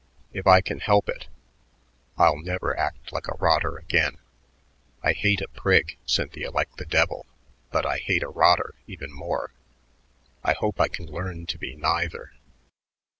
If I can help it, I'll never act like a rotter again, I hate a prig, Cynthia, like the devil, but I hate a rotter even more. I hope I can learn to be neither."